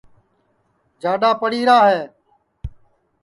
جاڈؔا پڑی را ہے